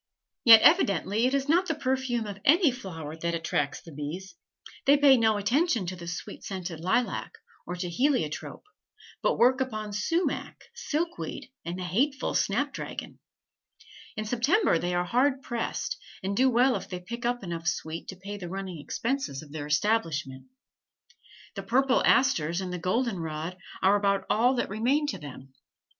Yet evidently it is not the perfume of any flower that attracts the bees; they pay no attention to the sweet scented lilac, or to heliotrope, but work upon sumach, silkweed, and the hateful snapdragon. In September they are hard pressed, and do well if they pick up enough sweet to pay the running expenses of their establishment. The purple asters and the golden rod are about all that remain to them.